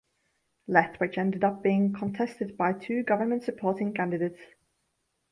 Lethbridge ended up being contested by two government supporting candidates.